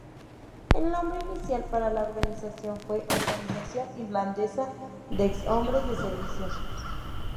El nombre inicial para la organización fue "Organización Irlandesa de Ex Hombres de Servicio".